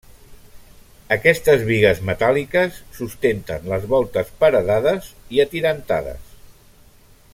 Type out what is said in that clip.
Aquestes bigues metàl·liques sustenten les voltes paredades i atirantades.